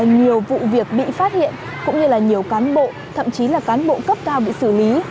nhiều vụ việc bị phát hiện cũng như là nhiều cán bộ thậm chí là cán bộ cấp cao bị xử lý